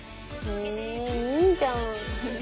へぇいいじゃん。